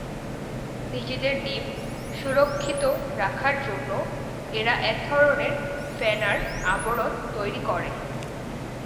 নিজেদের ডিম সুরক্ষিত রাখার জন্য এরা একধরনের ফেনার আবরণ তৈরি করে।